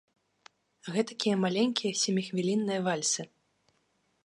Гэтакія маленькія сяміхвілінныя вальсы.